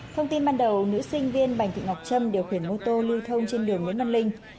thông tin ban đầu nữ sinh viên bạch thị ngọc trâm điều khiển mô tô lưu thông trên đường nguyễn văn linh